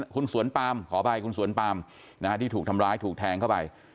คุณสวนปามขออภัยคุณสวนปามที่ถูกทำร้ายถูกแทงเข้าไป